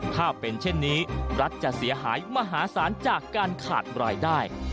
ถ้าเป็นเช่นนี้รัฐจะเสียหายมหาศาลจากการขาดรายได้